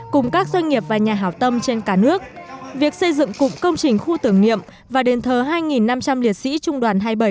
cùng các doanh nghiệp và nhà hảo tâm trên cả nước việc xây dựng cụm công trình khu tưởng niệm và đền thờ hai năm trăm linh liệt sĩ trung đoàn hai mươi bảy